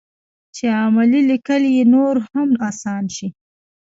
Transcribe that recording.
چې عملي لیکل یې نور هم اسان شي.